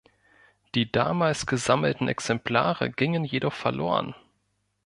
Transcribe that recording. Die damals gesammelten Exemplare gingen jedoch verloren.